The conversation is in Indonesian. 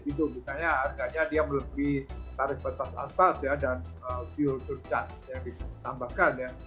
itu misalnya harganya dia melebihi tarif pesawat asbas ya dan fuel to charge yang bisa ditambahkan ya